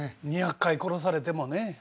２００回殺されてもね。